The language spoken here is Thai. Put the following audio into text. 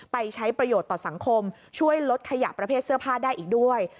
ไปใช้ประโยชน์ต่อสังคมช่วยลดขยะประเภทเสื้อผ้าได้อีกด้วย